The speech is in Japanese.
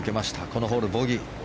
このホール、ボギー。